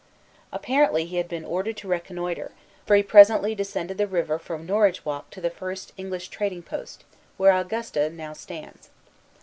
Apparently he had been ordered to reconnoitre; for he presently descended the river from Norridgewock to the first English trading post, where Augusta now stands.